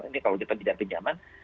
ini kalau di pejabat pinjaman